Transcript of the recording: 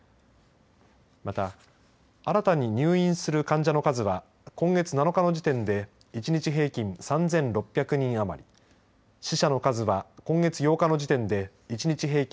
また、新たに入院する患者の数は今月７日の時点で１日平均３６００人余り死者の数は今月８日の時点で１日平均